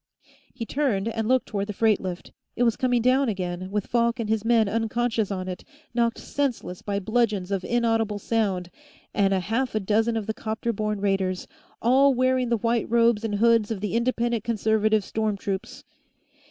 He turned and looked toward the freight lift. It was coming down again, with Falk and his men unconscious on it, knocked senseless by bludgeons of inaudible sound, and a half a dozen of the 'copter borne raiders, all wearing the white robes and hoods of the Independent Conservative storm troops.